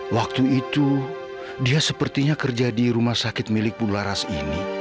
waktu itu dia sepertinya kerja di rumah sakit milik bularas ini